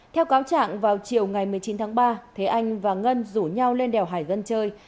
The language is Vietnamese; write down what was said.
theo cáo trạng vào chiều ngày một mươi chín tháng ba thế anh và ngân rủ nhau lên đèo hải vân chơi